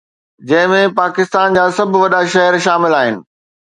جنهن ۾ پاڪستان جا سڀ وڏا شهر شامل آهن